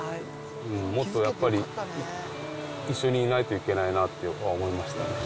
もっとやっぱり一緒にいないといけないなって思いましたね。